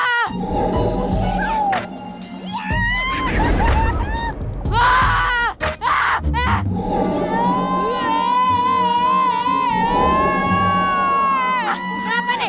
ah kenapa nih